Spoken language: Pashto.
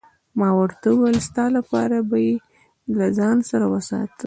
ما ورته وویل: ستا لپاره به يې له ځان سره وساتم.